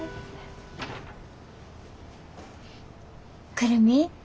久留美。